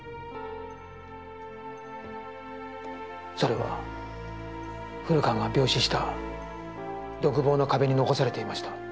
それは古川が病死した独房の壁に残されていました。